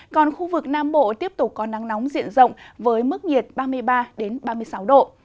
còn khu vực nam bộ tiếp tục có nắng nóng diện rộng với mức nhiệt ba mươi ba ba mươi sáu độ